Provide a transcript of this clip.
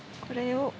これを。